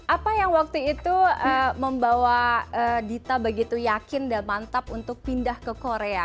apa yang waktu itu membawa dita begitu yakin dan mantap untuk pindah ke korea